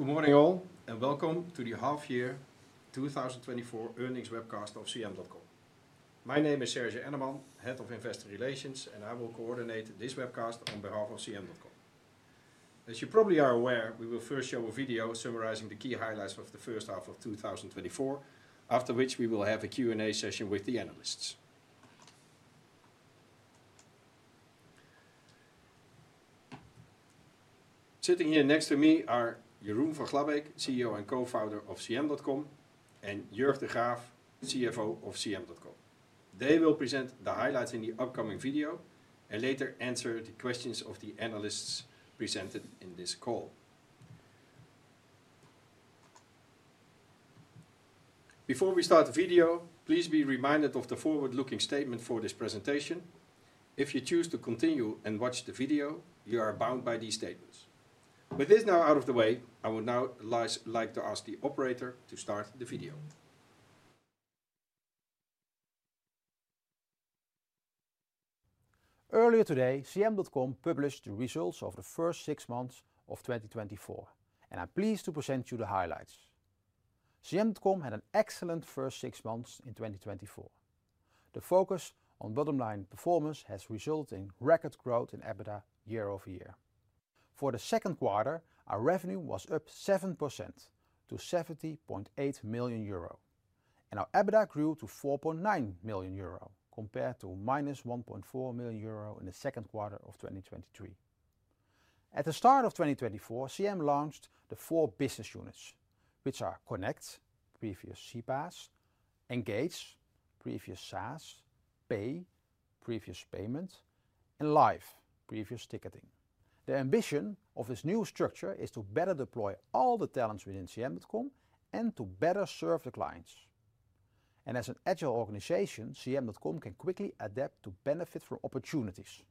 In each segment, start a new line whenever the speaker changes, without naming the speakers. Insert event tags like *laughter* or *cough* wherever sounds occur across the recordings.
Good morning, all, and welcome to the half-year 2024 earnings webcast of CM.com. My name is Serge Enneman, Head of Investor Relations, and I will coordinate this webcast on behalf of CM.com. As you probably are aware, we will first show a video summarizing the key highlights of the first half of 2024, after which we will have a Q&A session with the analysts. Sitting here next to me are Jeroen van Glabbeek, CEO and co-founder of CM.com, and Jörg de Graaf, CFO of CM.com. They will present the highlights in the upcoming video and later answer the questions of the analysts presented in this call. Before we start the video, please be reminded of the forward-looking statement for this presentation. If you choose to continue and watch the video, you are bound by these statements. With this now out of the way, I would now like to ask the operator to start the video.
Earlier today, CM.com published the results of the first six months of 2024, and I'm pleased to present you the highlights. CM.com had an excellent first six months in 2024. The focus on bottom-line performance has resulted in record growth in EBITDA year-over-year. For the second quarter, our revenue was up 7% to 70.8 million euro, and our EBITDA grew to 4.9 million euro compared to -1.4 million euro in the second quarter of 2023. At the start of 2024, CM launched the four business units, which are Connect (previous CPaaS), Engage (previous SaaS), Pay (previous Payment), and Live (previous Ticketing). The ambition of this new structure is to better deploy all the talents within CM.com and to better serve the clients. As an agile organization, CM.com can quickly adapt to benefit from opportunities.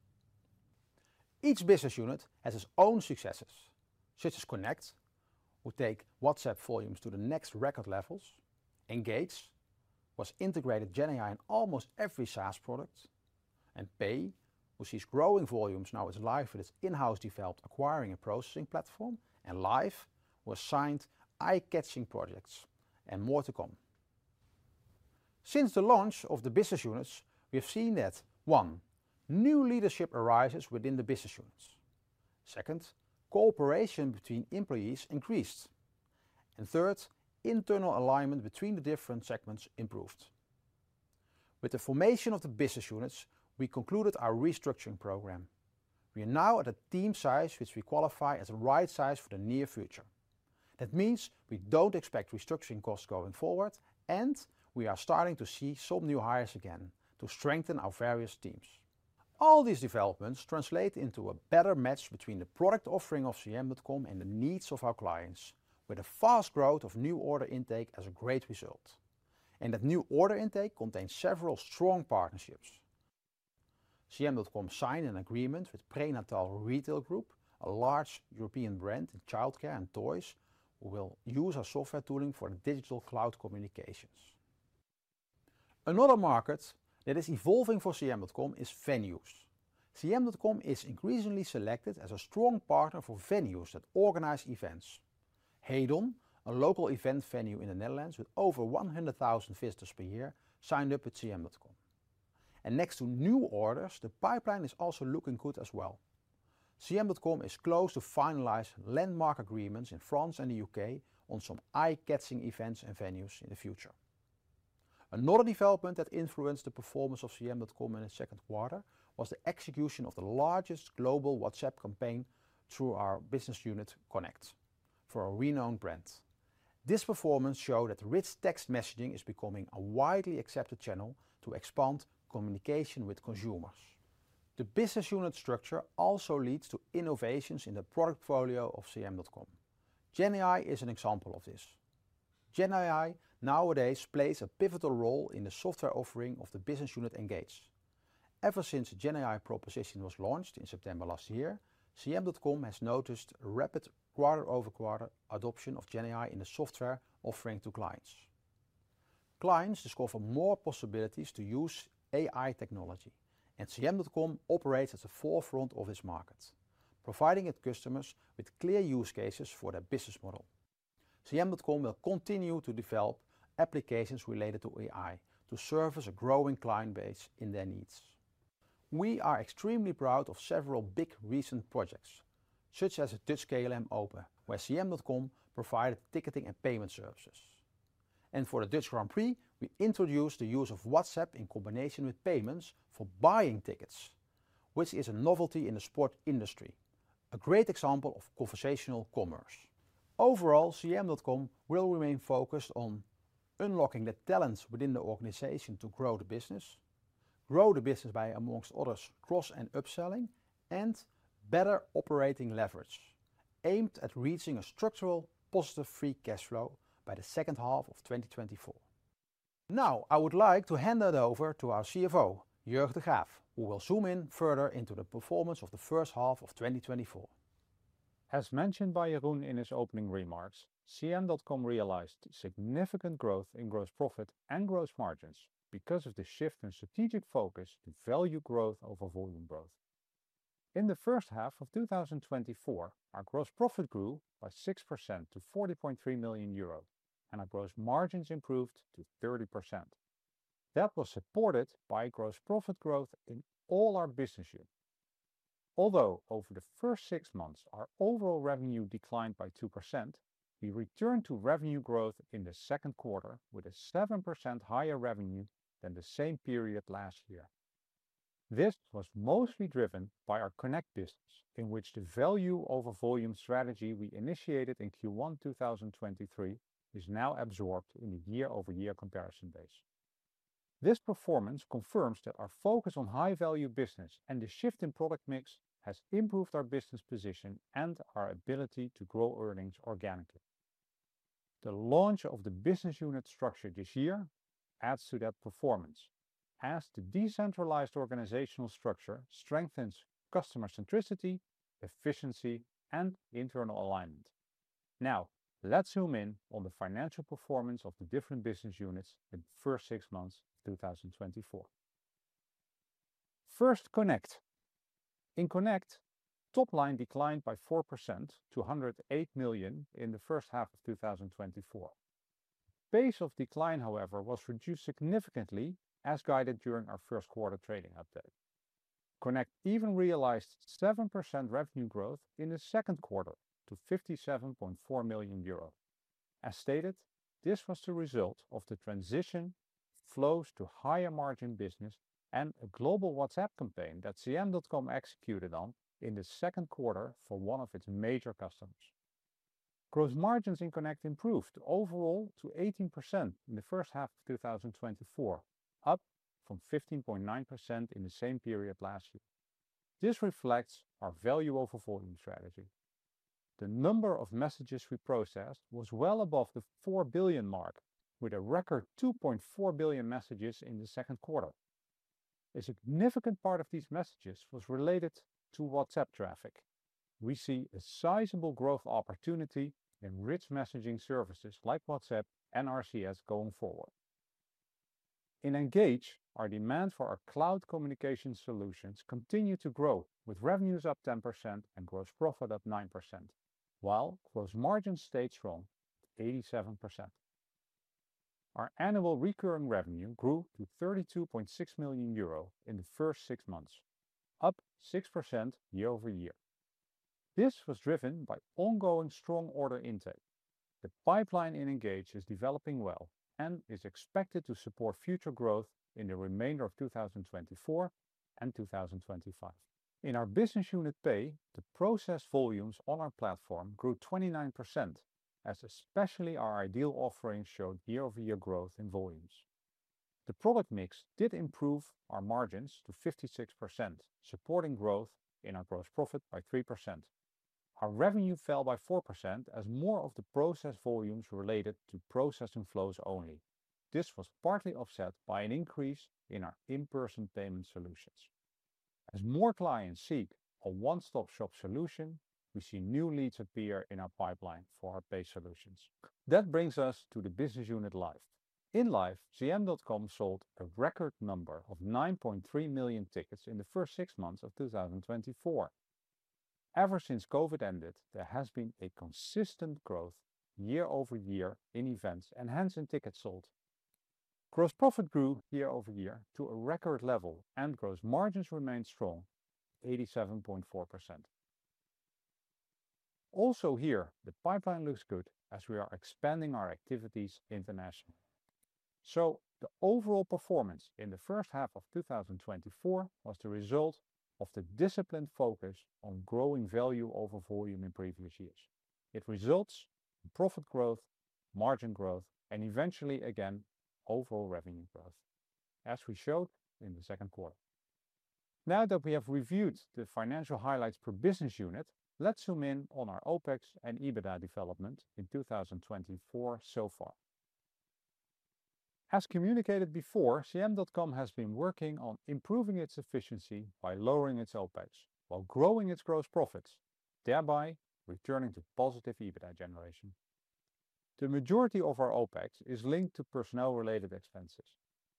Each business unit has its own successes, such as Connect, who takes WhatsApp volumes to the next record levels. Engage was integrated GenAI in almost every SaaS product. And Pay, who sees growing volumes now with Live for its in-house developed acquiring and processing platform. And Live, who has signed eye-catching projects and more to come. Since the launch of the business units, we have seen that, one, new leadership arises within the business units. Second, cooperation between employees increased. And third, internal alignment between the different segments improved. With the formation of the business units, we concluded our restructuring program. We are now at a team size which we qualify as a right size for the near future. That means we don't expect restructuring costs going forward, and we are starting to see some new hires again to strengthen our various teams. All these developments translate into a better match between the product offering of CM.com and the needs of our clients, with a fast growth of new order intake as a great result. That new order intake contains several strong partnerships. CM.com signed an agreement with Prénatal Retail Group, a large European brand in childcare and toys, who will use our software tooling for digital cloud communications. Another market that is evolving for CM.com is venues. CM.com is increasingly selected as a strong partner for venues that organize events. Hedon, a local event venue in the Netherlands with over 100,000 visitors per year, signed up with CM.com. Next to new orders, the pipeline is also looking good as well. CM.com is close to finalize landmark agreements in France and the UK on some eye-catching events and venues in the future. Another development that influenced the performance of CM.com in the second quarter was the execution of the largest global WhatsApp campaign through our business unit, Connect, for a renowned brand. This performance showed that rich text messaging is becoming a widely accepted channel to expand communication with consumers. The business unit structure also leads to innovations in the product portfolio of CM.com. GenAI is an example of this. GenAI nowadays plays a pivotal role in the software offering of the business unit, Engage. Ever since GenAI proposition was launched in September last year, CM.com has noticed rapid quarter-over-quarter adoption of GenAI in the software offering to clients. Clients discover more possibilities to use AI technology, and CM.com operates at the forefront of its market, providing its customers with clear use cases for their business model. CM.com will continue to develop applications related to AI to service a growing client base in their needs. We are extremely proud of several big recent projects, such as the Dutch KLM Open, where CM.com provided ticketing and payment services. For the Dutch Grand Prix, we introduced the use of WhatsApp in combination with payments for buying tickets, which is a novelty in the sport industry, a great example of conversational commerce. Overall, CM.com will remain focused on unlocking the talents within the organization to grow the business, grow the business by, amongst others, cross and upselling, and better operating leverage, aimed at reaching a structural positive free cash flow by the second half of 2024. Now, I would like to hand that over to our CFO, Jörg de Graaf, who will zoom in further into the performance of the first half of 2024.
As mentioned by Jeroen in his opening remarks, CM.com realized significant growth in gross profit and gross margins because of the shift in strategic focus to value growth over volume growth. In the first half of 2024, our gross profit grew by 6% to 40.3 million euros, and our gross margins improved to 30%. That was supported by gross profit growth in all our business units. Although over the first six months our overall revenue declined by 2%, we returned to revenue growth in the second quarter with a 7% higher revenue than the same period last year. This was mostly driven by our Connect business, in which the value over volume strategy we initiated in Q1 2023 is now absorbed in the year-over-year comparison base. This performance confirms that our focus on high-value business and the shift in product mix has improved our business position and our ability to grow earnings organically. The launch of the business unit structure this year adds to that performance, as the decentralized organizational structure strengthens customer centricity, efficiency, and internal alignment. Now, let's zoom in on the financial performance of the different business units in the first six months of 2024. First, Connect. In Connect, top line declined by 4% to 108 million in the first half of 2024. Pace of decline, however, was reduced significantly, as guided during our first quarter trading update. Connect even realized 7% revenue growth in the second quarter to 57.4 million euros. As stated, this was the result of the transition, flows to higher margin business, and a global WhatsApp campaign that CM.com executed on in the second quarter for one of its major customers. Gross margins in Connect improved overall to 18% in the first half of 2024, up from 15.9% in the same period last year. This reflects our value over volume strategy. The number of messages we processed was well above the 4 billion mark, with a record 2.4 billion messages in the second quarter. A significant part of these messages was related to WhatsApp traffic. We see a sizable growth opportunity in rich messaging services like WhatsApp and RCS going forward. In Engage, our demand for our cloud communication solutions continued to grow, with revenues up 10% and gross profit up 9%, while gross margin stayed strong at 87%. Our annual recurring revenue grew to 32.6 million euro in the first six months, up 6% year-over-year. This was driven by ongoing strong order intake. The pipeline in Engage is developing well and is expected to support future growth in the remainder of 2024 and 2025. In our business unit, Pay, the process volumes on our platform grew 29%, as especially our iDEAL offering showed year-over-year growth in volumes. The product mix did improve our margins to 56%, supporting growth in our gross profit by 3%. Our revenue fell by 4% as more of the process volumes related to processing flows only. This was partly offset by an increase in our in-person payment solutions. As more clients seek a one-stop-shop solution, we see new leads appear in our pipeline for our Pay solutions. That brings us to the business unit, Live. In Live, CM.com sold a record number of 9.3 million tickets in the first six months of 2024. Ever since COVID ended, there has been a consistent growth year-over-year in events and hence in tickets sold. Gross profit grew year-over-year to a record level and gross margins remained strong at 87.4%. Also here, the pipeline looks good as we are expanding our activities internationally. So the overall performance in the first half of 2024 was the result of the disciplined focus on growing value over volume in previous years. It results in profit growth, margin growth, and eventually again, overall revenue growth, as we showed in the second quarter. Now that we have reviewed the financial highlights per business unit, let's zoom in on our OPEX and EBITDA development in 2024 so far. As communicated before, CM.com has been working on improving its efficiency by lowering its OPEX while growing its gross profits, thereby returning to positive EBITDA generation. The majority of our OPEX is linked to personnel-related expenses.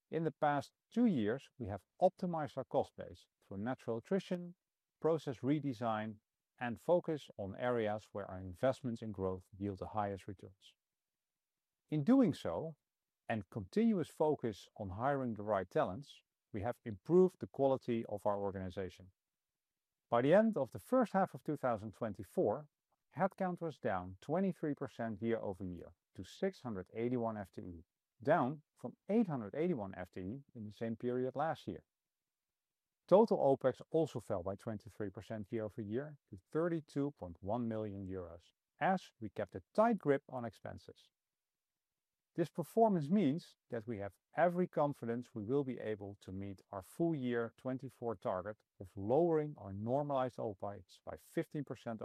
In the past two years, we have optimized our cost base for natural attrition, process redesign, and focus on areas where our investments in growth yield the highest returns. In doing so, and continuous focus on hiring the right talents, we have improved the quality of our organization. By the end of the first half of 2024, headcount was down 23% year-over-year to 681 FTE, down from 881 FTE in the same period last year. Total OPEX also fell by 23% year-over-year to 32.1 million euros, as we kept a tight grip on expenses. This performance means that we have every confidence we will be able to meet our full year 2024 target of lowering our normalized OPEX by 15%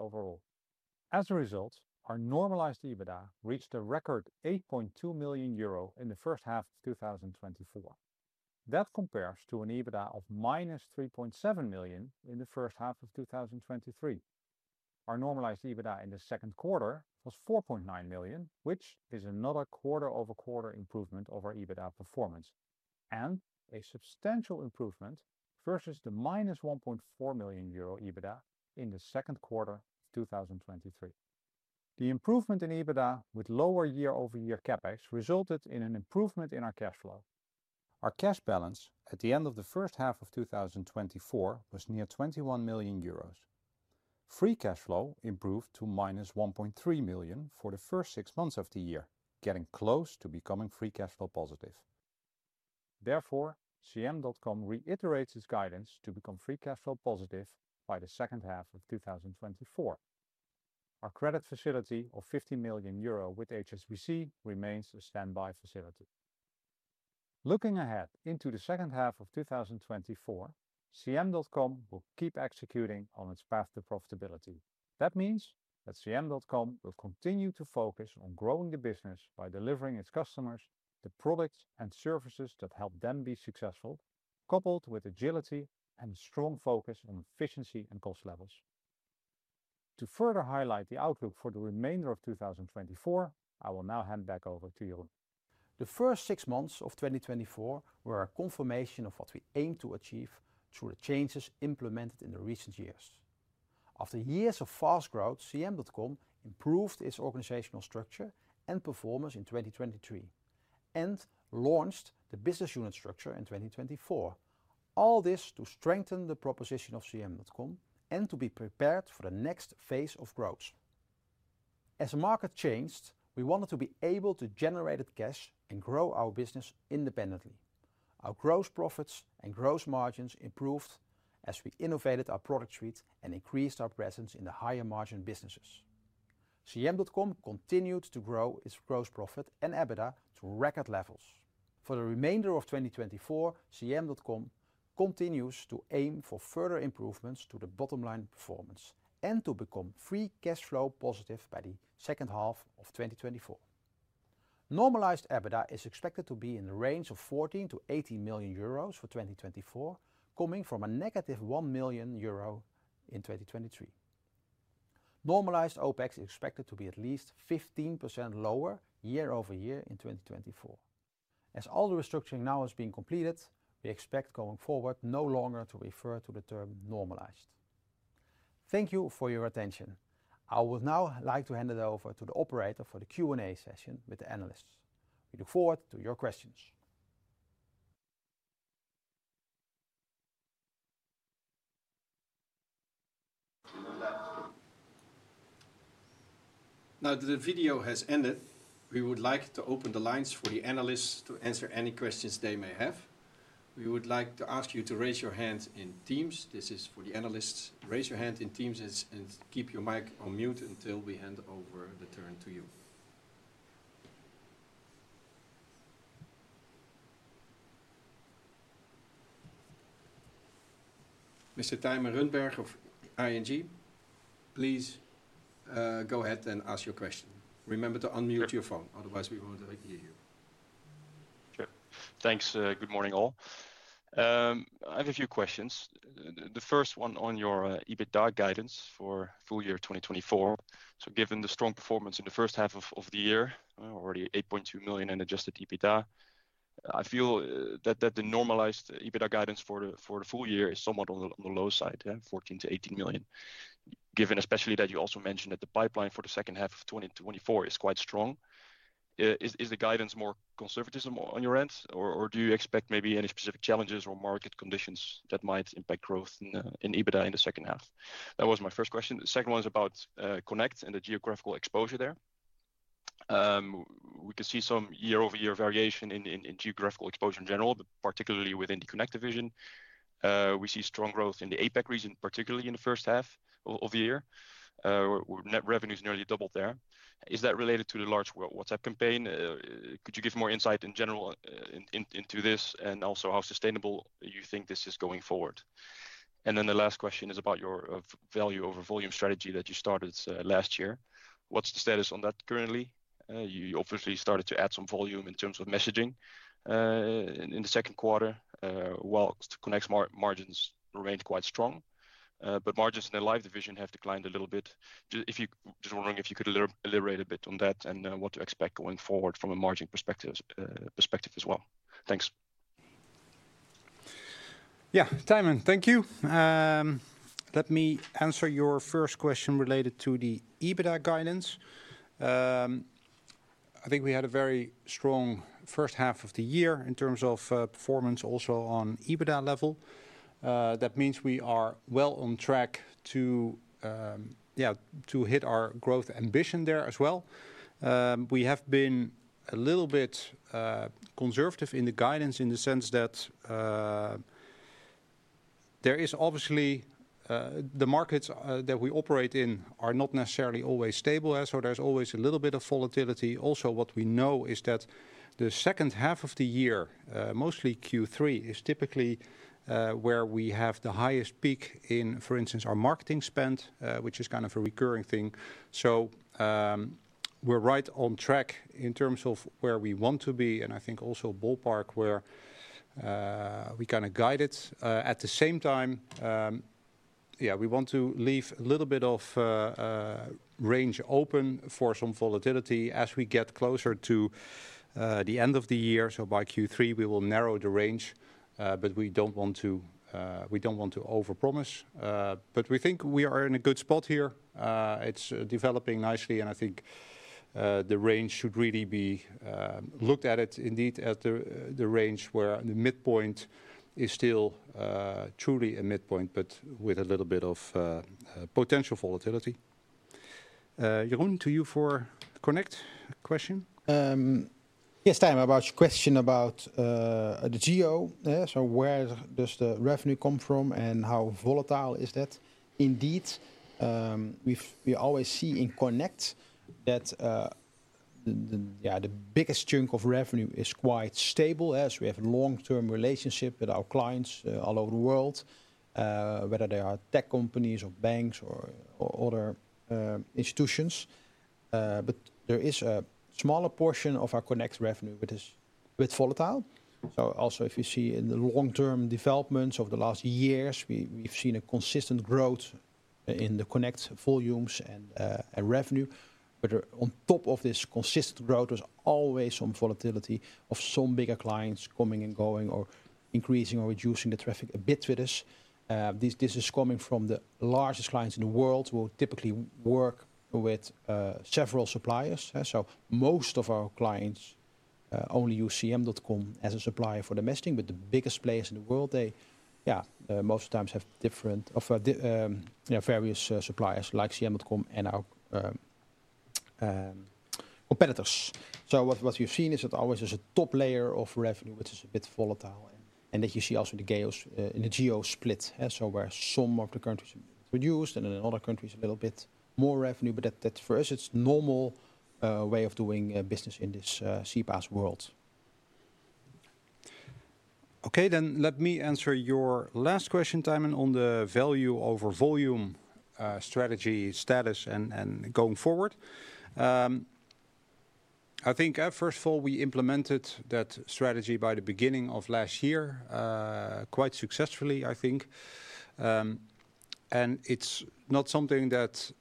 overall. As a result, our normalized EBITDA reached a record 8.2 million euro in the first half of 2024. That compares to an EBITDA of -3.7 million in the first half of 2023. Our normalized EBITDA in the second quarter was 4.9 million, which is another quarter-over-quarter improvement of our EBITDA performance, and a substantial improvement versus the -1.4 million euro EBITDA in the second quarter of 2023. The improvement in EBITDA with lower year-over-year CapEx resulted in an improvement in our cash flow. Our cash balance at the end of the first half of 2024 was near 21 million euros. Free cash flow improved to -1.3 million for the first six months of the year, getting close to becoming free cash flow positive. Therefore, CM.com reiterates its guidance to become free cash flow positive by the second half of 2024. Our credit facility of 50 million euro with HSBC remains a standby facility. Looking ahead into the second half of 2024, CM.com will keep executing on its path to profitability. That means that CM.com will continue to focus on growing the business by delivering its customers the products and services that help them be successful, coupled with agility and a strong focus on efficiency and cost levels. To further highlight the outlook for the remainder of 2024, I will now hand back over to Jeroen.
The first six months of 2024 were a confirmation of what we aimed to achieve through the changes implemented in the recent years. After years of fast growth, CM.com improved its organizational structure and performance in 2023, and launched the business unit structure in 2024, all this to strengthen the proposition of CM.com and to be prepared for the next phase of growth. As the market changed, we wanted to be able to generate cash and grow our business independently. Our gross profits and gross margins improved as we innovated our product suite and increased our presence in the higher margin businesses. CM.com continued to grow its gross profit and EBITDA to record levels. For the remainder of 2024, CM.com continues to aim for further improvements to the bottom line performance and to become free cash flow positive by the second half of 2024. Normalized EBITDA is expected to be in the range of 14 million-18 million euros for 2024, coming from a -1 million euro in 2023. Normalized OPEX is expected to be at least 15% lower year-over-year in 2024. As all the restructuring now is being completed, we expect going forward no longer to refer to the term normalized. Thank you for your attention. I would now like to hand it over to the operator for the Q&A session with the analysts. We look forward to your questions.
Now that the video has ended, we would like to open the lines for the analysts to answer any questions they may have. We would like to ask you to raise your hand in Teams. This is for the analysts. Raise your hand in Teams and keep your mic on mute until we hand over the turn to you. Mr. Thymen Rundberg of ING, please go ahead and ask your question. Remember to unmute your phone, otherwise we won't hear you.
Sure. Thanks. Good morning, all. I have a few questions. The first one on your EBITDA guidance for full year 2024. So given the strong performance in the first half of the year, already 8.2 million in adjusted EBITDA, I feel that the normalized EBITDA guidance for the full year is somewhat on the low side, 14 million-18 million, given especially that you also mentioned that the pipeline for the second half of 2024 is quite strong. Is the guidance more conservatism on your end, or do you expect maybe any specific challenges or market conditions that might impact growth in EBITDA in the second half? That was my first question. The second one is about Connect and the geographical exposure there. We can see some year-over-year variation in geographical exposure in general, particularly within the Connect division. We see strong growth in the APAC region, particularly in the first half of the year. Net revenue is nearly doubled there. Is that related to the large WhatsApp campaign? Could you give more insight in general into this and also how sustainable you think this is going forward? And then the last question is about your value over volume strategy that you started last year. What's the status on that currently? You obviously started to add some volume in terms of messaging in the second quarter, while Connect's margins remained quite strong. But margins in the Live division have declined a little bit. Just wondering if you could elaborate a bit on that and what to expect going forward from a margin perspective as well. Thanks.
Yeah, Thymen, thank you. Let me answer your first question related to the EBITDA guidance. I think we had a very strong first half of the year in terms of performance also on EBITDA level. That means we are well on track to hit our growth ambition there as well. We have been a little bit conservative in the guidance in the sense that there is obviously the markets that we operate in are not necessarily always stable, so there's always a little bit of volatility. Also, what we know is that the second half of the year, mostly Q3, is typically where we have the highest peak in, for instance, our marketing spend, which is kind of a recurring thing. So we're right on track in terms of where we want to be, and I think also ballpark where we kind of guide it. At the same time, yeah, we want to leave a little bit of range open for some volatility as we get closer to the end of the year. So by Q3, we will narrow the range, but we don't want to overpromise. But we think we are in a good spot here. It's developing nicely, and I think the range should really be looked at indeed at the range where the midpoint is still truly a midpoint, but with a little bit of potential volatility. Jeroen, to you for Connect question.
Yes, Thymen, about your question about the geo. So where does the revenue come from and how volatile is that? Indeed, we always see in Connect that the biggest chunk of revenue is quite stable as we have a long-term relationship with our clients all over the world, whether they are tech companies or banks or other institutions. But there is a smaller portion of our Connect revenue that is a bit volatile. So also, if you see in the long-term developments over the last years, we've seen a consistent growth in the Connect volumes and revenue. But on top of this consistent growth, there's always some volatility of some bigger clients coming and going or increasing or reducing the traffic a bit with us. This is coming from the largest clients in the world who typically work with several suppliers. So, most of our clients only use CM.com as a supplier for the messaging, but the biggest players in the world, they most of the time have different various suppliers like CM.com and our competitors. So what you've seen is that always there's a top layer of revenue, which is a bit volatile, and that you see also in the geo split, so where some of the countries have produced and in other countries a little bit more revenue. But that for us, it's a normal way of doing business in this CPaaS world.
Okay, then let me answer your last question, Thymen, on the value over volume strategy status and going forward. I think, first of all, we implemented that strategy by the beginning of last year quite successfully, I think. It's not something that,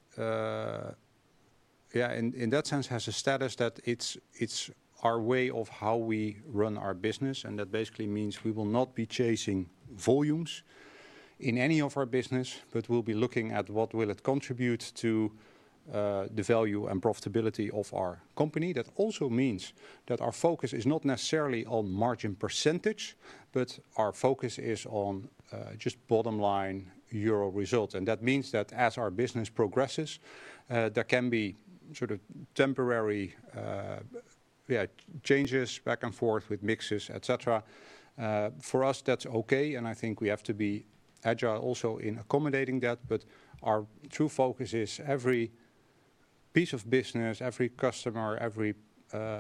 yeah, in that sense has a status that it's our way of how we run our business. That basically means we will not be chasing volumes in any of our business, but we'll be looking at what will it contribute to the value and profitability of our company. That also means that our focus is not necessarily on margin percentage, but our focus is on just bottom line year-over-year results. That means that as our business progresses, there can be sort of temporary changes back and forth with mixes, etc. For us, that's okay. I think we have to be agile also in accommodating that. But our true focus is every piece of business, every customer, every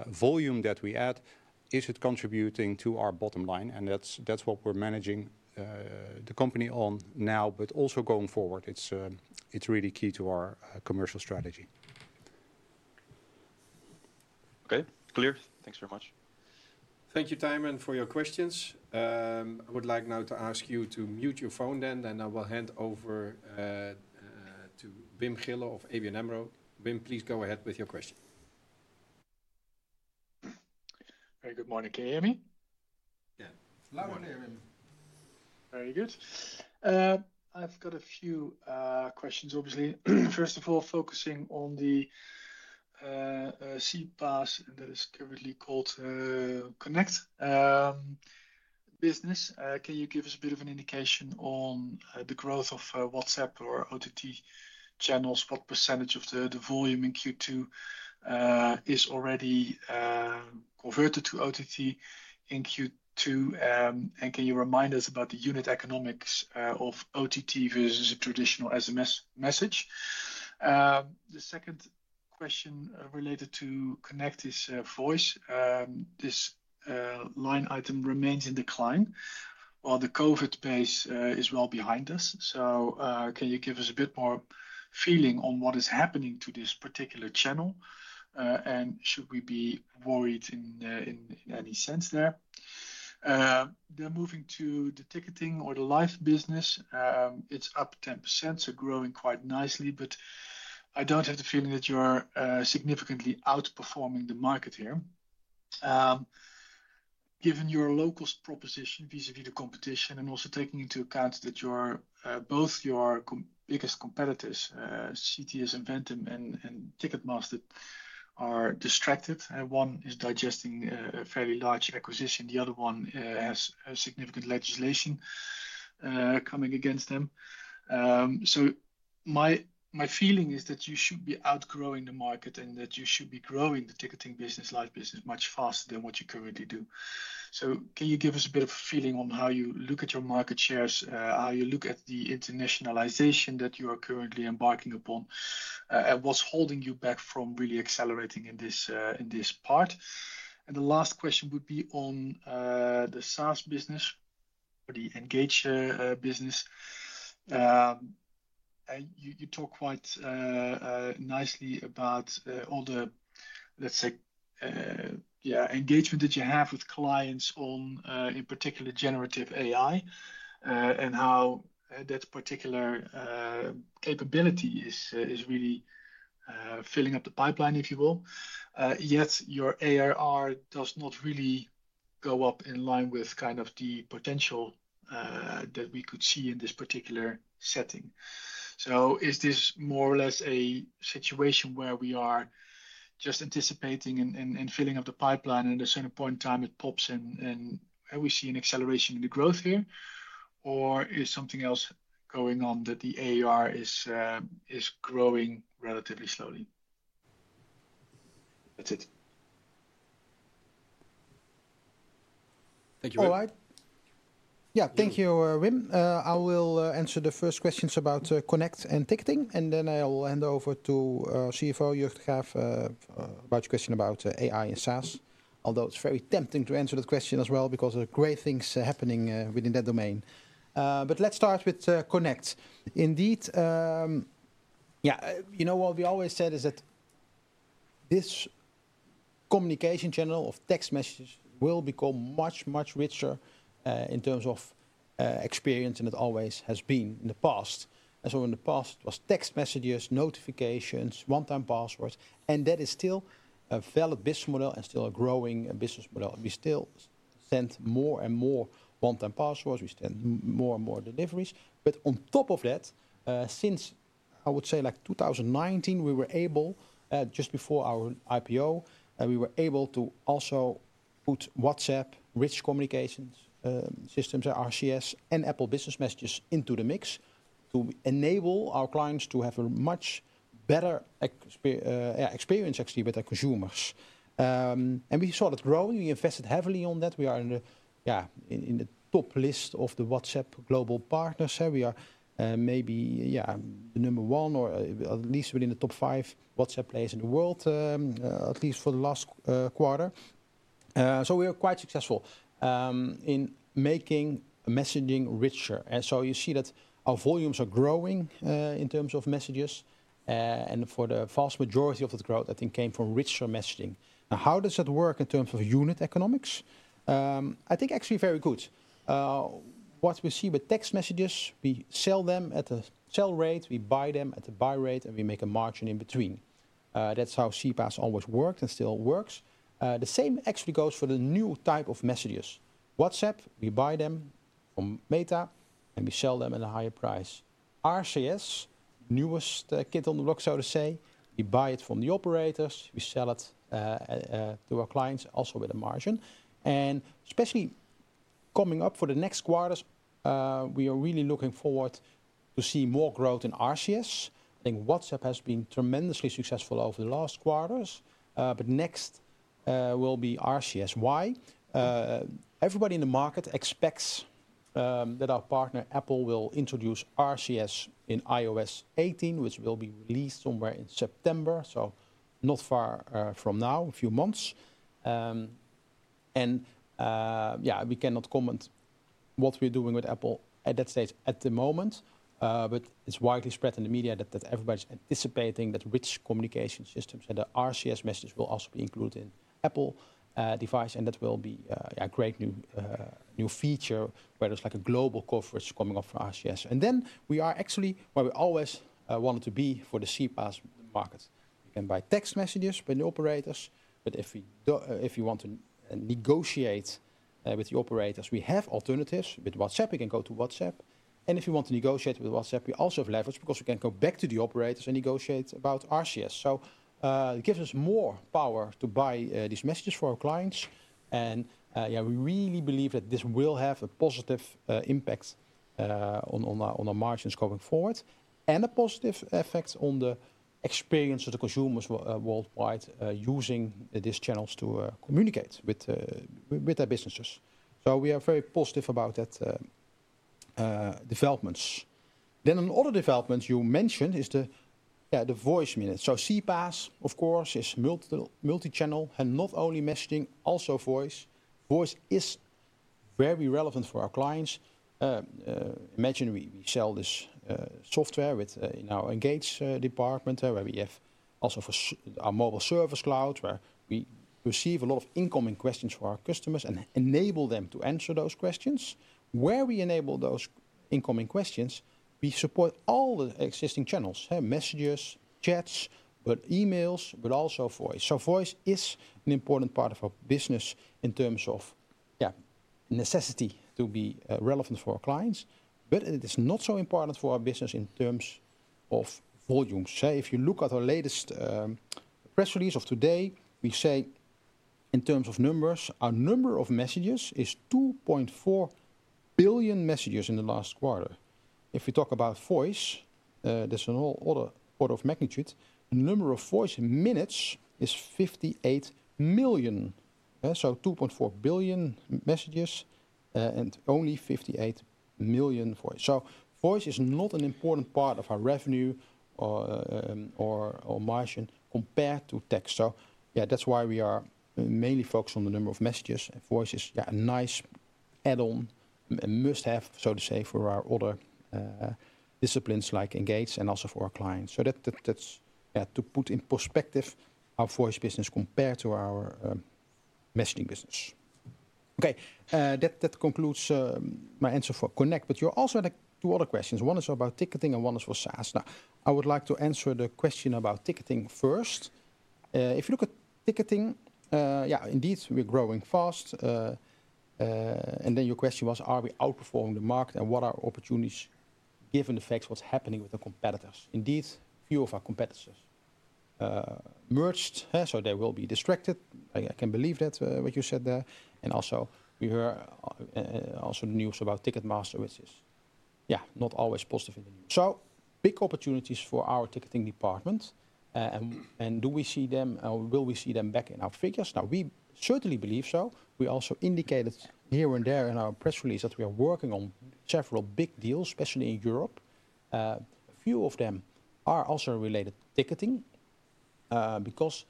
volume that we add, is it contributing to our bottom line? That's what we're managing the company on now, but also going forward. It's really key to our commercial strategy.
Okay, clear. Thanks very much.
Thank you, Thymen, for your questions. I would like now to ask you to mute your phone then, and I will hand over to Wim Gille of ABN AMRO. Wim, please go ahead with your question.
Hey, good morning. Can you hear me?
Yeah.
Loud and clear, Wim.
Very good. I've got a few questions, obviously. First of all, focusing on the CPaaS that is currently called Connect business, can you give us a bit of an indication on the growth of WhatsApp or OTT channels? What percentage of the volume in Q2 is already converted to OTT in Q2? And can you remind us about the unit economics of OTT versus a traditional SMS message? The second question related to Connect is voice. This line item remains in decline while the COVID pace is well behind us. So can you give us a bit more feeling on what is happening to this particular channel? And should we be worried in any sense there? Then moving to the ticketing or the live business, it's up 10%, so growing quite nicely. But I don't have the feeling that you're significantly outperforming the market here. Given your local proposition vis-à-vis the competition and also taking into account that both your biggest competitors, CTS EVENTIM and Ticketmaster, are distracted, one is digesting a fairly large acquisition, the other one has significant legislation coming against them. So my feeling is that you should be outgrowing the market and that you should be growing the ticketing business, Live business, much faster than what you currently do. So can you give us a bit of a feeling on how you look at your market shares, how you look at the internationalization that you are currently embarking upon, and what's holding you back from really accelerating in this part? And the last question would be on the SaaS business or the Engage business. You talk quite nicely about all the, let's say, yeah, engagement that you have with clients on, in particular, generative AI and how that particular capability is really filling up the pipeline, if you will. Yet your ARR does not really go up in line with kind of the potential that we could see in this particular setting. So is this more or less a situation where we are just anticipating and filling up the pipeline, and at a certain point in time, it pops and we see an acceleration in the growth here, or is something else going on that the ARR is growing relatively slowly? That's it. Thank you.
All right. Yeah, thank you, Wim. I will answer the first questions about Connect and ticketing, and then I'll hand over to CFO Jörg de Graaf about your question about AI and SaaS, although it's very tempting to answer the question as well because there are great things happening within that domain. But let's start with Connect. Indeed, yeah, you know what we always said is that this communication channel of text messages will become much, much richer in terms of experience than it always has been in the past. So in the past, it was text messages, notifications, one-time passwords, and that is still a valid business model and still a growing business model. We still send more and more one-time passwords. We send more and more deliveries. But on top of that, since I would say like 2019, we were able, just before our IPO, we were able to also put WhatsApp, Rich Communication Services, RCS, and Apple Business Messages into the mix to enable our clients to have a much better experience actually with our consumers. And we saw that growing. We invested heavily on that. We are in the top list of the WhatsApp global partners. We are maybe the number one or at least within the top five WhatsApp players in the world, at least for the last quarter. So we are quite successful in making messaging richer. And so you see that our volumes are growing in terms of messages. And for the vast majority of the growth, I think came from richer messaging. Now, how does that work in terms of unit economics? I think actually very good. What we see with text messages, we sell them at a sell rate, we buy them at a buy rate, and we make a margin in between. That's how CPaaS always worked and still works. The same actually goes for the new type of messages. WhatsApp, we buy them from Meta, and we sell them at a higher price. RCS, newest kid on the block, so to say, we buy it from the operators, we sell it to our clients also with a margin. And especially coming up for the next quarters, we are really looking forward to see more growth in RCS. I think WhatsApp has been tremendously successful over the last quarters, but next will be RCS. Why? Everybody in the market expects that our partner Apple will introduce RCS in iOS 18, which will be released somewhere in September, so not far from now, a few months. Yeah, we cannot comment on what we're doing with Apple at that stage at the moment, but it's widely spread in the media that everybody's anticipating that rich communication systems and the RCS messages will also be included in Apple devices, and that will be a great new feature where there's like a global coverage coming up for RCS. And then we are actually where we always wanted to be for the CPaaS market. We can buy text messages by the operators, but if you want to negotiate with the operators, we have alternatives with WhatsApp. You can go to WhatsApp. And if you want to negotiate with WhatsApp, we also have leverage because we can go back to the operators and negotiate about RCS. So it gives us more power to buy these messages for our clients. And yeah, we really believe that this will have a positive impact on our margins going forward and a positive effect on the experience of the consumers worldwide using these channels to communicate with their businesses. So we are very positive about that development. Then another development you mentioned is the voice minute. So CPaaS, of course, is multi-channel and not only messaging, also voice. Voice is very relevant for our clients. Imagine we sell this software in our Engage department where we have also our Mobile Service Cloud where we receive a lot of incoming questions for our customers and enable them to answer those questions. Where we enable those incoming questions, we support all the existing channels, messages, chats, but emails, but also voice. So voice is an important part of our business in terms of necessity to be relevant for our clients, but it is not so important for our business in terms of volumes. If you look at our latest press release of today, we say in terms of numbers, our number of messages is 2.4 billion messages in the last quarter. If we talk about voice, there's another order of magnitude. The number of voice minutes is 58 million. So 2.4 billion messages and only 58 million voice. So voice is not an important part of our revenue or margin compared to text. So yeah, that's why we are mainly focused on the number of messages. Voice is a nice add-on, a must-have, so to say, for our other disciplines like Engage and also for our clients. So that's to put in perspective our voice business compared to our messaging business. Okay, that concludes my answer for Connect, but you also had two other questions. One is about ticketing and one is for SaaS. Now, I would like to answer the question about ticketing first. If you look at ticketing, yeah, indeed, we're growing fast. Then your question was, are we outperforming the market and what are opportunities given the facts what's happening with the competitors? Indeed, few of our competitors merged, so they will be distracted. I can believe that what you said there. And also we heard also news about Ticketmaster, which is, yeah, not always positive in the news. So big opportunities for our ticketing department. And do we see them or will we see them back in our figures? Now, we certainly believe so. We also indicated here and there in our press release that we are working on several big deals, especially in Europe. A few of them are also related to ticketing because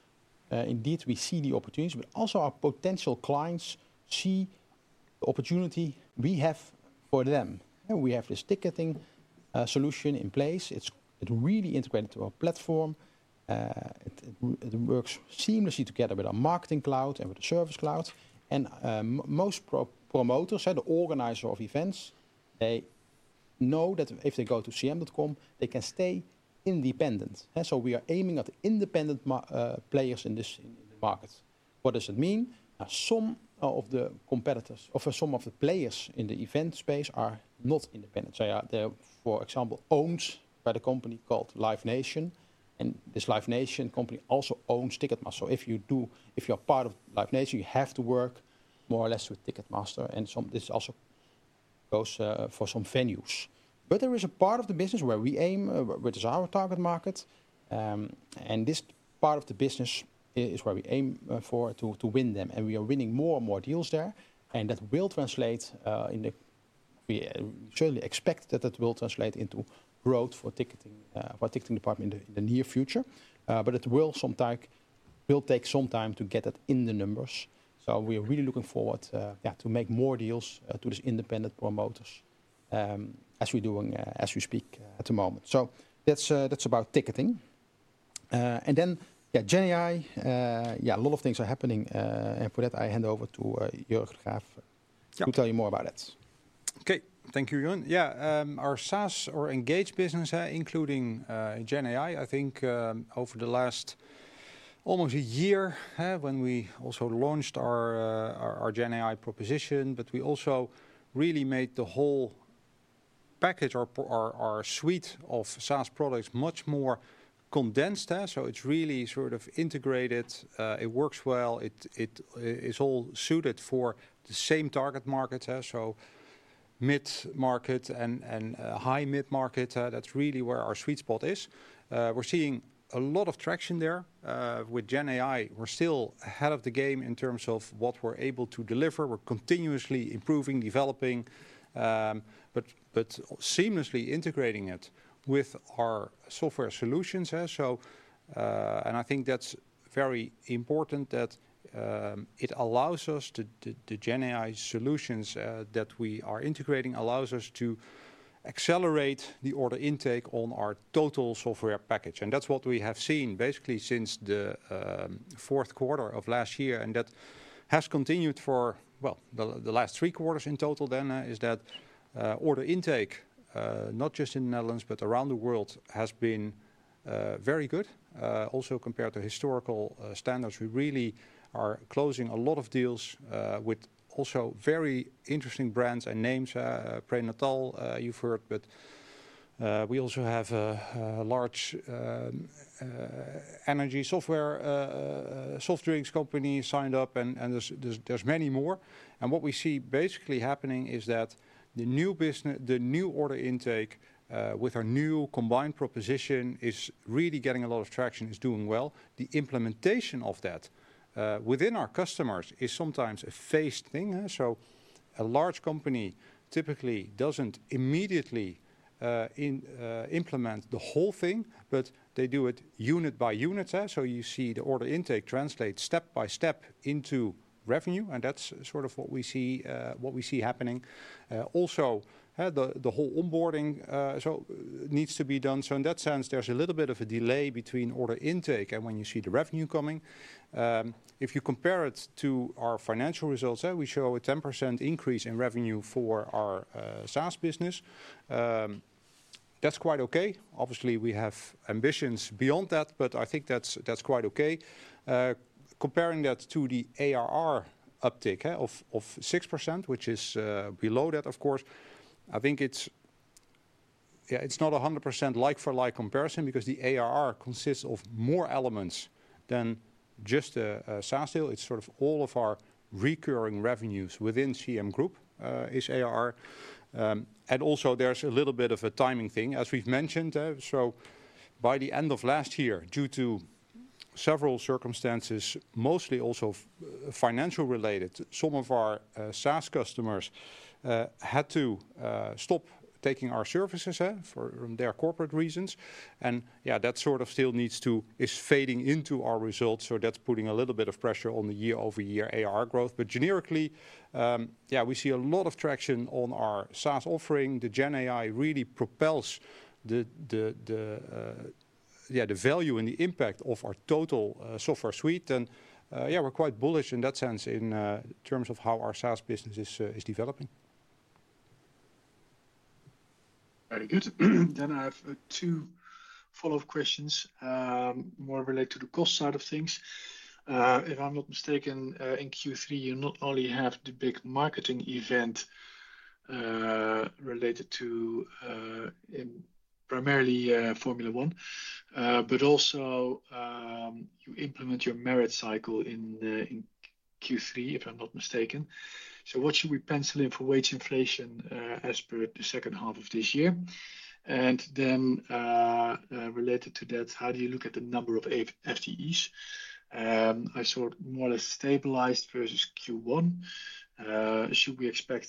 indeed we see the opportunities, but also our potential clients see the opportunity we have for them. We have this ticketing solution in place. It's really integrated to our platform. It works seamlessly together with our marketing cloud and with the service cloud. And most promoters and the organizers of events, they know that if they go to CM.com, they can stay independent. So we are aiming at independent players in the market. What does it mean? Now, some of the competitors or some of the players in the event space are not independent. So for example, owned by the company called Live Nation. And this Live Nation company also owns Ticketmaster. So if you are part of Live Nation, you have to work more or less with Ticketmaster. And this also goes for some venues. But there is a part of the business where we aim, which is our target market. And this part of the business is where we aim for to win them. And we are winning more and more deals there. And that will translate, we certainly expect that that will translate into growth for the ticketing department in the near future. But it will sometimes take some time to get it in the numbers. So we are really looking forward to make more deals to these independent promoters as we speak at the moment. So that's about ticketing. And then GenAI, yeah, a lot of things are happening. And for that, I hand over to Jörg de Graaf to tell you more about it.
Okay, thank you, Jeroen. Yeah, our SaaS or Engage business, including GenAI, I think over the last almost a year when we also launched our GenAI proposition, but we also really made the whole package or our suite of SaaS products much more condensed. So it's really sort of integrated. It works well. It is all suited for the same target market. So mid-market and high mid-market, that's really where our sweet spot is. We're seeing a lot of traction there with GenAI. We're still ahead of the game in terms of what we're able to deliver. We're continuously improving, developing, but seamlessly integrating it with our software solutions. And I think that's very important that it allows us, the GenAI solutions that we are integrating, allows us to accelerate the order intake on our total software package. And that's what we have seen basically since the fourth quarter of last year. That has continued for, well, the last three quarters. In total then is that order intake, not just in the Netherlands, but around the world has been very good also compared to historical standards. We really are closing a lot of deals with also very interesting brands and names. Prénatal you've heard, but we also have a large energy software soft drinks company signed up, and there's many more. And what we see basically happening is that the new order intake with our new combined proposition is really getting a lot of traction, is doing well. The implementation of that within our customers is sometimes a phased thing. So a large company typically doesn't immediately implement the whole thing, but they do it unit by unit. So you see the order intake translate step by step into revenue. And that's sort of what we see happening. Also, the whole onboarding needs to be done. So in that sense, there's a little bit of a delay between order intake and when you see the revenue coming. If you compare it to our financial results, we show a 10% increase in revenue for our SaaS business. That's quite okay. Obviously, we have ambitions beyond that, but I think that's quite okay. Comparing that to the ARR uptake of 6%, which is below that, of course, I think it's not a 100% like-for-like comparison because the ARR consists of more elements than just a SaaS deal. It's sort of all of our recurring revenues within CM Group is ARR. And also there's a little bit of a timing thing, as we've mentioned. So by the end of last year, due to several circumstances, mostly also financial related, some of our SaaS customers had to stop taking our services for their corporate reasons. And yeah, that sort of still needs to is fading into our results. So that's putting a little bit of pressure on the year-over-year ARR growth. But generically, yeah, we see a lot of traction on our SaaS offering. The GenAI really propels the value and the impact of our total software suite. And yeah, we're quite bullish in that sense in terms of how our SaaS business is developing.
Very good. Then I have two follow-up questions more related to the cost side of things. If I'm not mistaken, in Q3, you not only have the big marketing event related to primarily Formula 1, but also you implement your merit cycle in Q3, if I'm not mistaken. So what should we pencil in for wage inflation as per the second half of this year? And then related to that, how do you look at the number of FTEs? I saw more or less stabilized versus Q1. Should we expect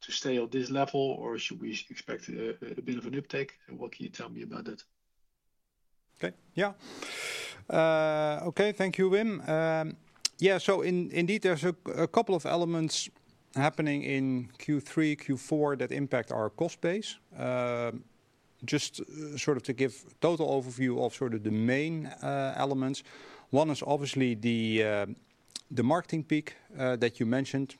to stay at this level or should we expect a bit of an uptake? What can you tell me about that?
Okay, yeah. Okay, thank you, Wim. Yeah, so indeed there's a couple of elements happening in Q3, Q4 that impact our cost base. Just sort of to give a total overview of sort of the main elements. One is obviously the marketing peak that you mentioned.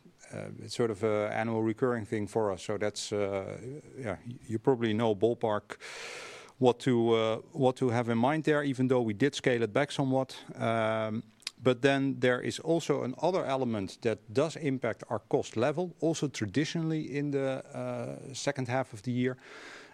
It's sort of an annual recurring thing for us. So that's, yeah, you probably know ballpark what to have in mind there, even though we did scale it back somewhat. But then there is also another element that does impact our cost level, also traditionally in the second half of the year.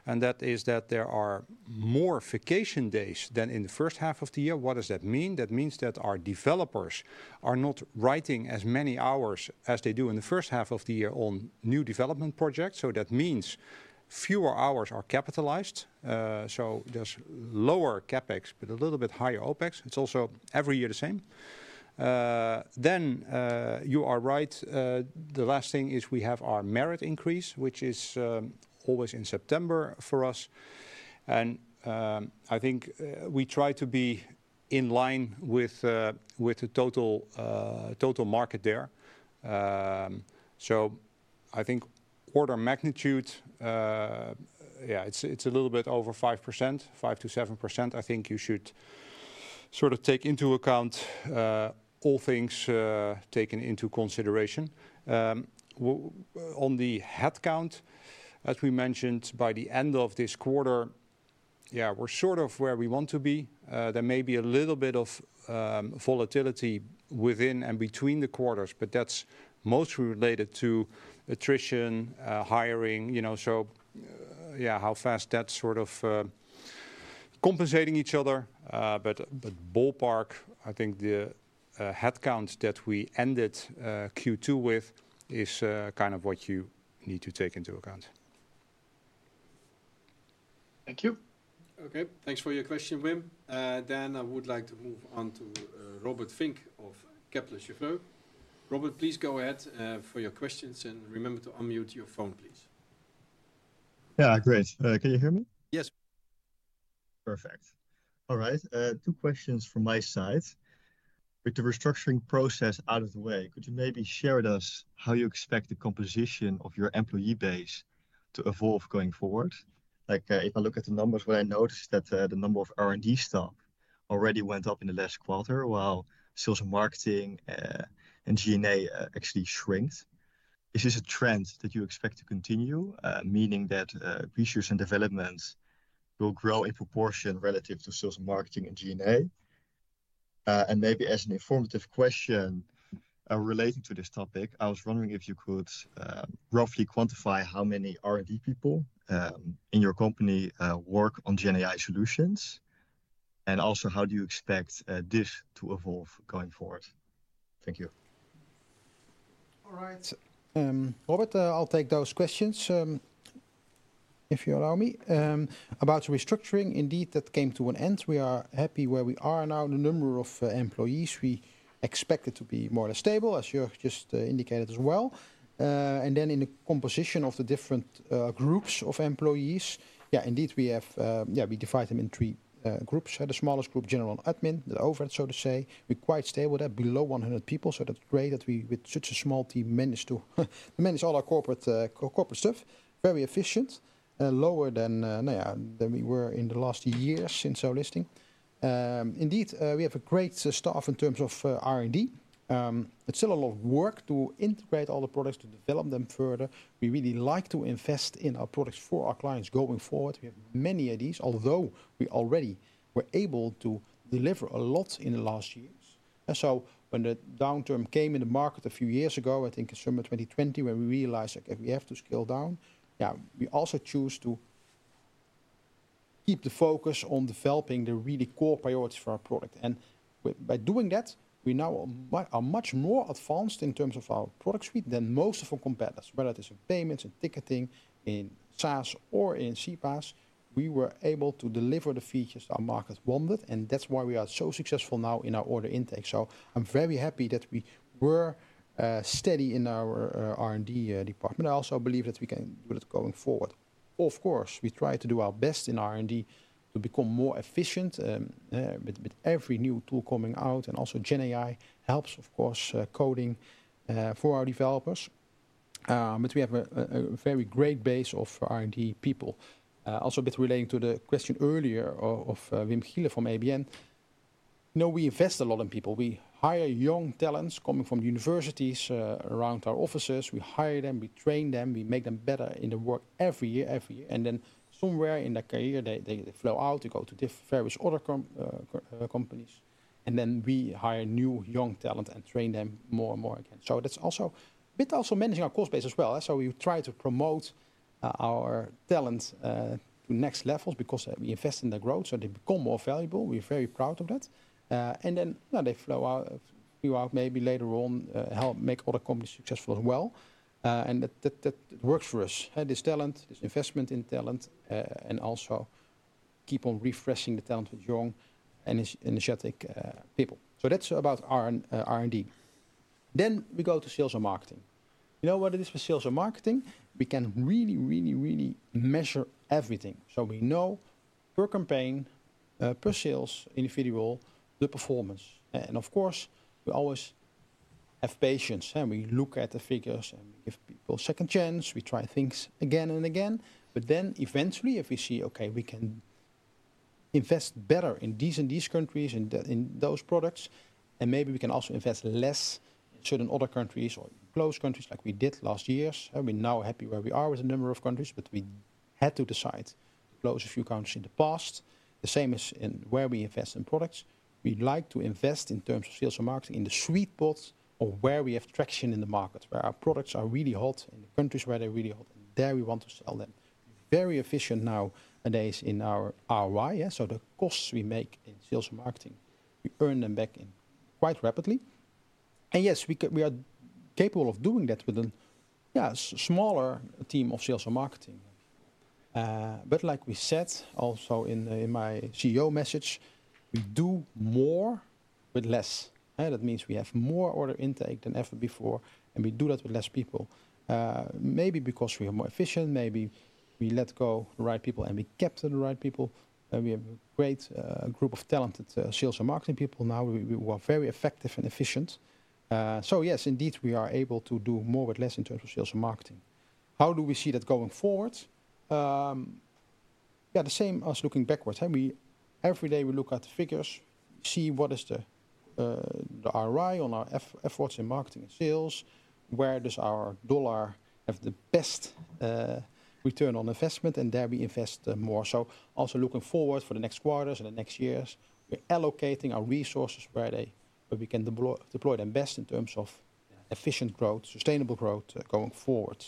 And that is that there are more vacation days than in the first half of the year. What does that mean? That means that our developers are not writing as many hours as they do in the first half of the year on new development projects. So that means fewer hours are capitalized. So there's lower CapEx, but a little bit higher OPEX. It's also every year the same. Then you are right. The last thing is we have our merit increase, which is always in September for us. And I think we try to be in line with the total market there. So I think order of magnitude, yeah, it's a little bit over 5%, 5%-7%. I think you should sort of take into account all things taken into consideration. On the headcount, as we mentioned, by the end of this quarter, yeah, we're sort of where we want to be. There may be a little bit of volatility within and between the quarters, but that's mostly related to attrition, hiring. So yeah, how fast that's sort of compensating each other. Ballpark, I think the headcount that we ended Q2 with is kind of what you need to take into account.
Thank you.
Okay, thanks for your question, Wim. Then I would like to move on to Robert Vink of Kepler Cheuvreux. Robert, please go ahead for your questions and remember to unmute your phone, please.
Yeah, great. Can you hear me?
Yes.
Perfect. All right. Two questions from my side. With the restructuring process out of the way, could you maybe share with us how you expect the composition of your employee base to evolve going forward? Like if I look at the numbers, what I noticed is that the number of R&D staff already went up in the last quarter, while sales and marketing and G&A actually shrunk. Is this a trend that you expect to continue, meaning that research and development will grow in proportion relative to sales and marketing and G&A? And maybe as an informative question relating to this topic, I was wondering if you could roughly quantify how many R&D people in your company work on GenAI solutions. And also how do you expect this to evolve going forward? Thank you.
All right. Robert, I'll take those questions if you allow me. About restructuring, indeed that came to an end. We are happy where we are now. The number of employees we expected to be more or less stable, as you just indicated as well. And then in the composition of the different groups of employees, yeah, indeed we have yeah, we divide them in three groups. The smallest group, general admin, the overhead, so to say. We're quite stable there, below 100 people. So that's great that we with such a small team manage to manage all our corporate stuff. Very efficient, lower than we were in the last year since our listing. Indeed, we have a great staff in terms of R&D. It's still a lot of work to integrate all the products, to develop them further. We really like to invest in our products for our clients going forward. We have many ideas, although we already were able to deliver a lot in the last years. So when the downturn came in the market a few years ago, I think in summer 2020, when we realized we have to scale down, yeah, we also choose to keep the focus on developing the really core priorities for our product. And by doing that, we now are much more advanced in terms of our product suite than most of our competitors, whether it is in payments, in ticketing, in SaaS, or in CPaaS. We were able to deliver the features our market wanted. And that's why we are so successful now in our order intake. So I'm very happy that we were steady in our R&D department. I also believe that we can do that going forward. Of course, we try to do our best in R&D to become more efficient with every new tool coming out. And also GenAI helps, of course, coding for our developers. But we have a very great base of R&D people. Also a bit relating to the question earlier of Wim Gille from ABN. No, we invest a lot in people. We hire young talents coming from universities around our offices. We hire them, we train them, we make them better in the work every year, every year. And then somewhere in their career, they flow out, they go to various other companies. And then we hire new young talent and train them more and more again. So that's also a bit also managing our cost base as well. So we try to promote our talent to next levels because we invest in their growth so they become more valuable. We're very proud of that. And then they flow out, maybe later on, help make other companies successful as well. And that works for us, this talent, this investment in talent, and also keep on refreshing the talent with young and energetic people. So that's about R&D. Then we go to sales and marketing. You know what it is with sales and marketing? We can really, really, really measure everything. So we know per campaign, per sales individual, the performance. And of course, we always have patience. And we look at the figures and we give people a second chance. We try things again and again. But then eventually, if we see, okay, we can invest better in these and these countries and in those products. And maybe we can also invest less in certain other countries or close countries like we did last year. We're now happy where we are with the number of countries, but we had to decide to close a few countries in the past. The same is in where we invest in products. We like to invest in terms of sales and marketing in the sweet spots or where we have traction in the market, where our products are really hot in the countries where they're really hot. And there we want to sell them. Very efficient nowadays in our ROI. So the costs we make in sales and marketing, we earn them back quite rapidly. And yes, we are capable of doing that with a smaller team of sales and marketing. But like we said also in my CEO message, we do more with less. That means we have more order intake than ever before. And we do that with less people. Maybe because we are more efficient, maybe we let go the right people and we capture the right people. We have a great group of talented sales and marketing people now. We are very effective and efficient. So yes, indeed, we are able to do more with less in terms of sales and marketing. How do we see that going forward? Yeah, the same as looking backwards. Every day we look at the figures, see what is the ROI on our efforts in marketing and sales, where does our dollar have the best return on investment, and there we invest more. So also looking forward for the next quarters and the next years, we're allocating our resources where we can deploy them best in terms of efficient growth, sustainable growth going forward.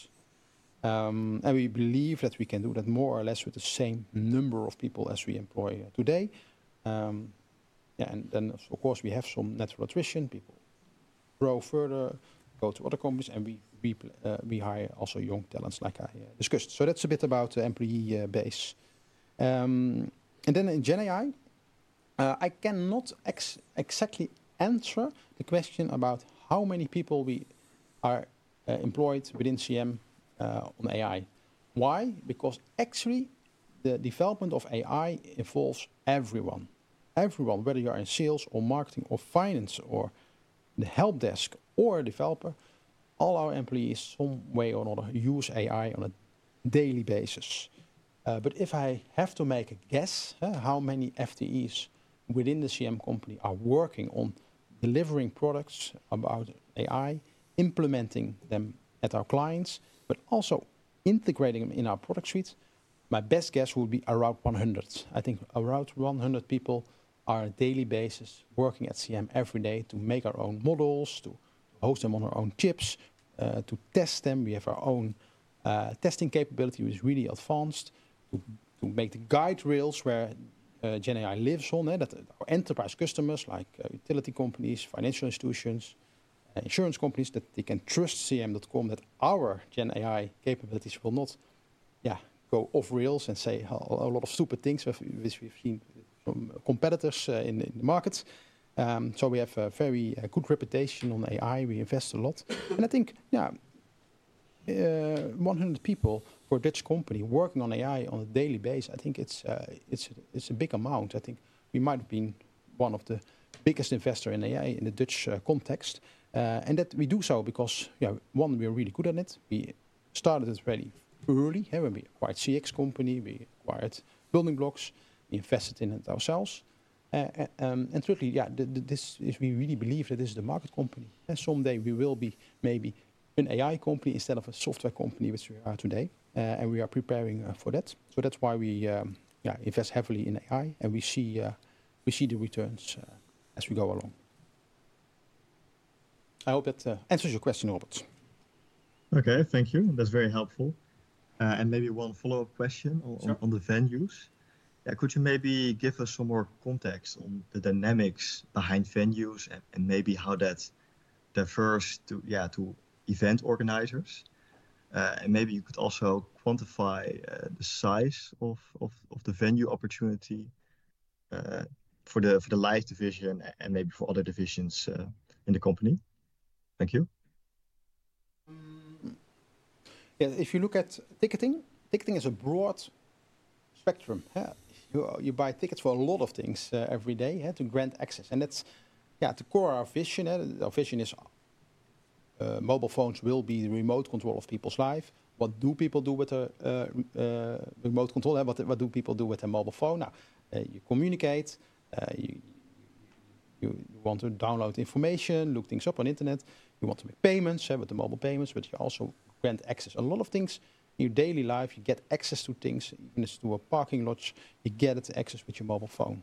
And we believe that we can do that more or less with the same number of people as we employ today. Yeah, and then of course we have some natural attrition. People grow further, go to other companies, and we hire also young talents like I discussed. So that's a bit about the employee base. And then in GenAI, I cannot exactly answer the question about how many people we are employed within CM on AI. Why? Because actually the development of AI involves everyone. Everyone, whether you're in sales or marketing or finance or the help desk or developer, all our employees some way or another use AI on a daily basis. But if I have to make a guess how many FTEs within the CM.com are working on delivering products about AI, implementing them at our clients, but also integrating them in our product suites, my best guess would be around 100. I think around 100 people on a daily basis working at CM.com every day to make our own models, to host them on our own chips, to test them. We have our own testing capability, which is really advanced, to make the guide rails where GenAI lives on, that our enterprise customers like utility companies, financial institutions, insurance companies, that they can trust CM.com that our GenAI capabilities will not, yeah, go off rails and say a lot of stupid things which we've seen competitors in the markets. So we have a very good reputation on AI. We invest a lot. I think, yeah, 100 people for a Dutch company working on AI on a daily basis, I think it's a big amount. I think we might have been one of the biggest investors in AI in the Dutch context. And that we do so because, yeah, one, we are really good at it. We started it really early. When we acquired CX Company, we acquired Building Blocks, we invested in it ourselves. And certainly, yeah, we really believe that this is the market company. Someday we will be maybe an AI company instead of a software company, which we are today. And we are preparing for that. So that's why we invest heavily in AI. And we see the returns as we go along. I hope that answers your question, Robert.
Okay, thank you. That's very helpful. And maybe one follow-up question on the venues. Yeah, could you maybe give us some more context on the dynamics behind venues and maybe how that differs to event organizers? And maybe you could also quantify the size of the venue opportunity for the live division and maybe for other divisions in the company. Thank you.
Yeah, if you look at ticketing, ticketing is a broad spectrum. You buy tickets for a lot of things every day to grant access. And that's, yeah, the core of our vision. Our vision is mobile phones will be the remote control of people's lives. What do people do with remote control? What do people do with their mobile phone? You communicate. You want to download information, look things up on the internet. You want to make payments with the mobile payments, but you also grant access. A lot of things in your daily life, you get access to things. Even through a parking lot, you get access with your mobile phone.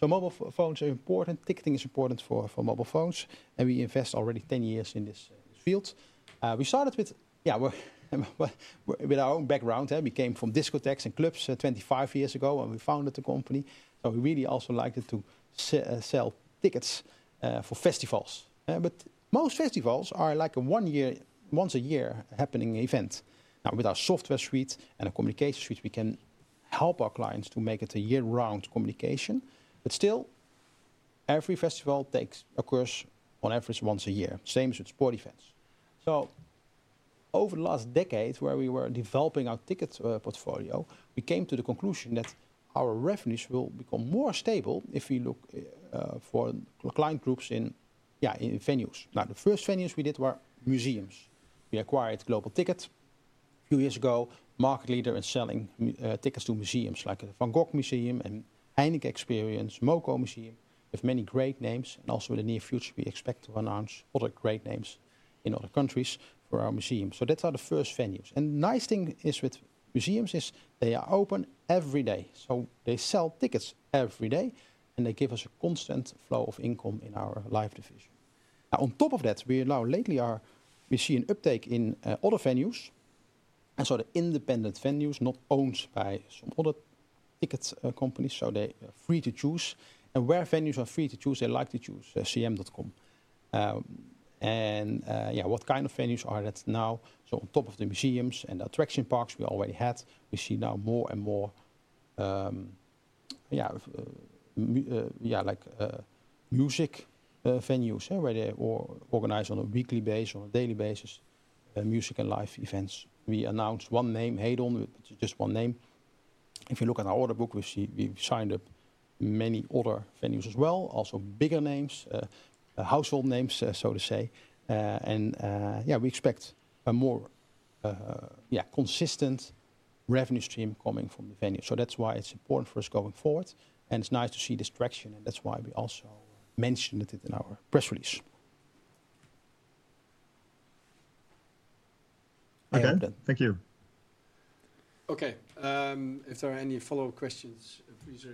So mobile phones are important. Ticketing is important for mobile phones. And we invest already 10 years in this field. We started with, yeah, with our own background. We came from discotheques and clubs 25 years ago, and we founded the company. So we really also liked to sell tickets for festivals. But most festivals are like a one-year, once-a-year happening event. Now, with our software suite and a communication suite, we can help our clients to make it a year-round communication. But still, every festival takes a course on average once a year, same as with sport events. So over the last decade, where we were developing our ticket portfolio, we came to the conclusion that our revenues will become more stable if we look for client groups in venues. Now, the first venues we did were museums. We acquired Global Ticket a few years ago, market leader in selling tickets to museums like the Van Gogh Museum and Heineken Experience, Moco Museum. We have many great names. And also in the near future, we expect to announce other great names in other countries for our museums. So that's how the first venues. And the nice thing is with museums is they are open every day. So they sell tickets every day. And they give us a constant flow of income in our live division. Now, on top of that, we now lately see an uptake in other venues. And so the independent venues, not owned by some other ticket companies, so they are free to choose. And where venues are free to choose, they like to choose CM.com. And yeah, what kind of venues are that now? So on top of the museums and the attraction parks we already had, we see now more and more, yeah, like music venues where they organize on a weekly basis, on a daily basis, music and live events. We announced one name, Hedon, which is just one name. If you look at our order book, we see we've signed up many other venues as well, also bigger names, household names, so to say. And yeah, we expect a more consistent revenue stream coming from the venue. So that's why it's important for us going forward. And it's nice to see this traction. And that's why we also mentioned it in our press release.
Okay, thank you. Okay, if there are any follow-up questions, please.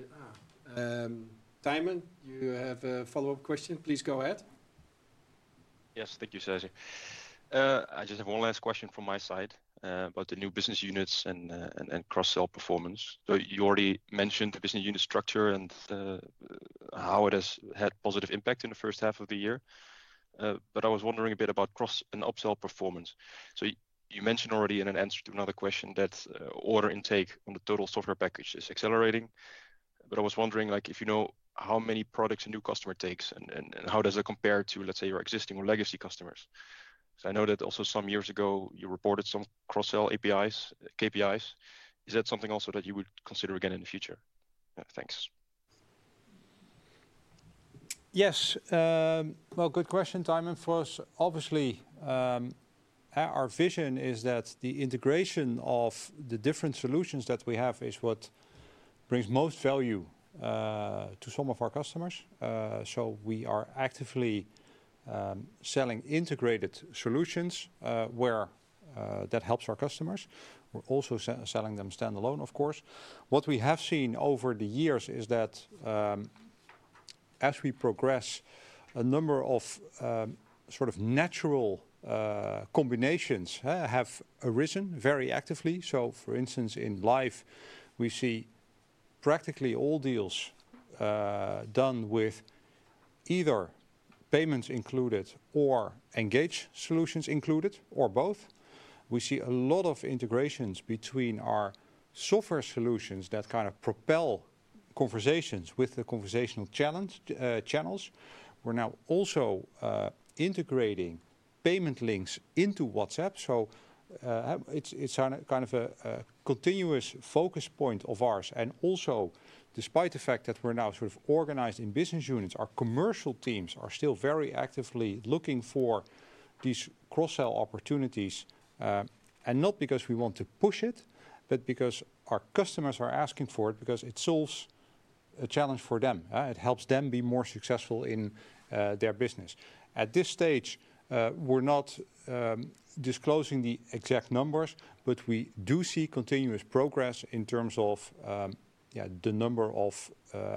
Thymen, you have a follow-up question. Please go ahead.
Yes, thank you, Serge. I just have one last question from my side about the new business units and cross-sell performance. So you already mentioned the business unit structure and how it has had a positive impact in the first half of the year. But I was wondering a bit about cross and upsell performance. So you mentioned already in an answer to another question that order intake on the total software package is accelerating. But I was wondering if you know how many products a new customer takes and how does it compare to, let's say, your existing or legacy customers. So I know that also some years ago you reported some cross-sell KPIs. Is that something also that you would consider again in the future? Thanks.
Yes. Well, good question, Diamond. For us, obviously, our vision is that the integration of the different solutions that we have is what brings most value to some of our customers. So we are actively selling integrated solutions where that helps our customers. We're also selling them standalone, of course. What we have seen over the years is that as we progress, a number of sort of natural combinations have arisen very actively. So for instance, in Live, we see practically all deals done with either payments included or Engage solutions included or both. We see a lot of integrations between our software solutions that kind of propel conversations with the conversational channels. We're now also integrating payment links into WhatsApp. So it's kind of a continuous focus point of ours. Also, despite the fact that we're now sort of organized in business units, our commercial teams are still very actively looking for these cross-sell opportunities. Not because we want to push it, but because our customers are asking for it because it solves a challenge for them. It helps them be more successful in their business. At this stage, we're not disclosing the exact numbers, but we do see continuous progress in terms of the number of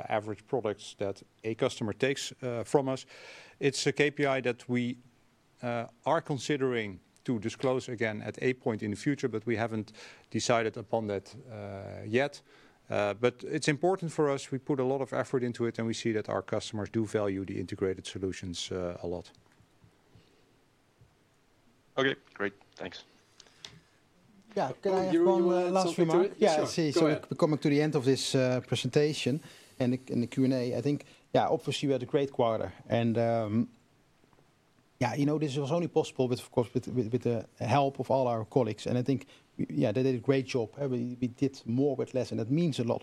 average products that a customer takes from us. It's a KPI that we are considering to disclose again at a point in the future, but we haven't decided upon that yet. It's important for us. We put a lot of effort into it, and we see that our customers do value the integrated solutions a lot.
Okay, great. Thanks.
*crosstalk* Yeah, can I respond last week? Yeah, I see. So we're coming to the end of this presentation and the Q&A. I think, yeah, obviously we had a great quarter. Yeah, you know, this was only possible, of course, with the help of all our colleagues. I think, yeah, they did a great job. We did more with less, and that means a lot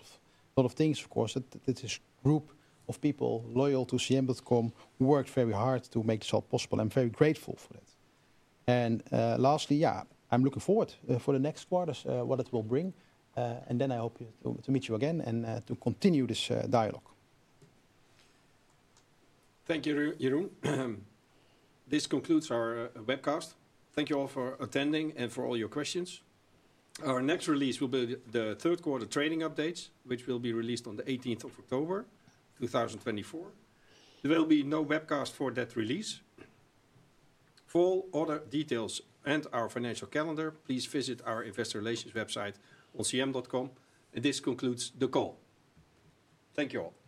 of things, of course. This group of people loyal to CM.com worked very hard to make this all possible. I'm very grateful for that. Lastly, yeah, I'm looking forward for the next quarter, what it will bring. Then I hope to meet you again and to continue this dialogue.
Thank you, Jeroen. This concludes our webcast. Thank you all for attending and for all your questions. Our next release will be the third quarter trading updates, which will be released on the 18th of October, 2024. There will be no webcast for that release. For all other details and our financial calendar, please visit our investor relations website on CM.com. This concludes the call. Thank you all.